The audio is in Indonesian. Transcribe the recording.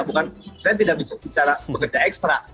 bukan saya tidak bisa bicara bekerja ekstra